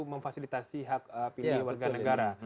memfasilitasi hak pilih warga negara